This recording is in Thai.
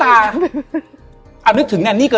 และยินดีต้อนรับทุกท่านเข้าสู่เดือนพฤษภาคมครับ